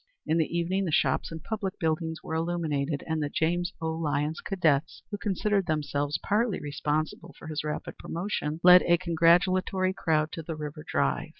In the evening the shops and public buildings were illuminated, and the James O. Lyons Cadets, who considered themselves partly responsible for his rapid promotion, led a congratulatory crowd to the River Drive.